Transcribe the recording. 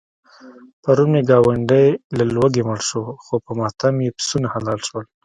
پرون مې ګاونډی له لوږې مړ شو، خو په ماتم یې پسونه حلال شول.